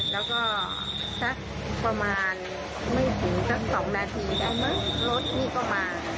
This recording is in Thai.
แล้วก็สักประมาณ๒นาทีรถนี้ก็มา